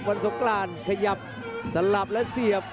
สงกรานขยับสลับและเสียบ